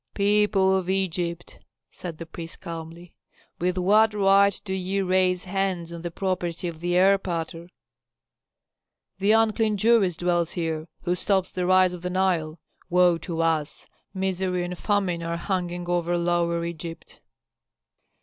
"People of Egypt," said the priest, calmly, "with what right do ye raise hands on the property of the erpatr?" "The unclean Jewess dwells here, who stops the rise of the Nile. Woe to us! misery and famine are hanging over Lower Egypt."